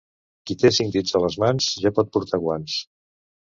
Qui té cinc dits a les mans, ja pot portar guants.